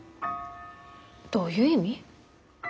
どういう意味？